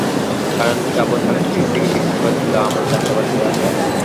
কারণ, শ্রাবণ মাসের শেষ দিকে বৃষ্টিপাত হলেও আমন চাষাবাদ ব্যাহত হবে না।